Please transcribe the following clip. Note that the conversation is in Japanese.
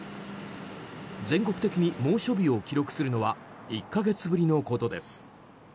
全国的に猛暑日を記録するのは１か月ぶりのことです。